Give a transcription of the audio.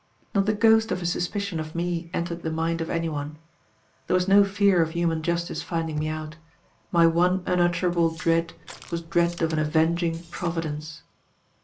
"Not the ghost of a suspicion of me entered the mind of any one. There was no fear of human justice finding me out: my one unutterable dread was dread of an Avenging Providence.